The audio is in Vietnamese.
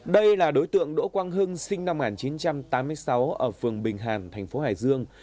đây là đối tượng đỗ quang hưng sinh năm một nghìn chín trăm tám mươi sáu ở phường bình hàn thành phố hải dương